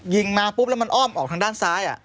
มาปุ๊บแล้วมันอ้อมออกทางด้านซ้าย